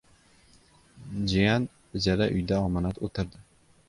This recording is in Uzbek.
Jiyan ijara uyda omonat o‘tirdi.